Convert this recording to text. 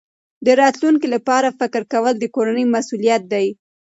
د راتلونکي لپاره فکر کول د کورنۍ مسؤلیت دی.